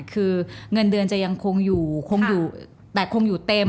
คือเงินเดือนจะยังคงอยู่คงอยู่แต่คงอยู่เต็ม